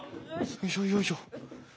よいしょよいしょ。